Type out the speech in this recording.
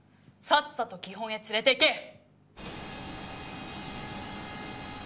さっさと技本へ連れていけ！